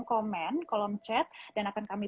komen kolom chat dan akan kami